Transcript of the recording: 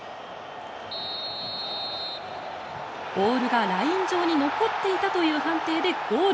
ボールがライン上に残っていたという判定でゴール。